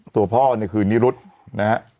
ตัวพ่อเนี่ยคือนิรุธนะฮะ